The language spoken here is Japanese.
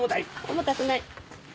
重たくない！